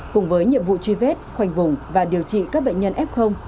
cùng với nhiệm vụ truy vết khoanh vùng và điều trị các bệnh nhân f